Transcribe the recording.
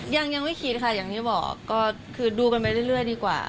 ยังไม่คิดค่ะอย่างที่บอกก็คือดูกันไปเรื่อยดีกว่า